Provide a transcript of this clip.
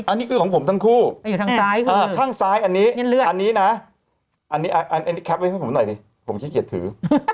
อันนี้คือของผมทั้งคู่ข้างซ้ายอันนี้อันนี้นะอันนี้แป๊ปไว้ให้ผมหน่อยดิผมขี้เกียจถือ